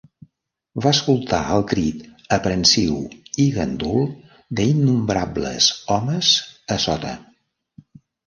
Va escoltar el crit aprensiu i gandul d'innombrables homes a sota.